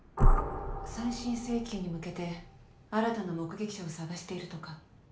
再審請求に向けて新たな目撃者を探しているとか。